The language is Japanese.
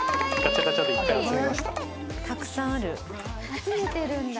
集めてるんだ。